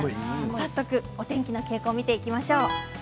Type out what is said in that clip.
早速お天気の傾向を見ていきましょう。